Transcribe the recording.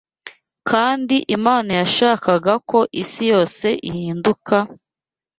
Kandi Imana yashakaga ko isi yose ihinduka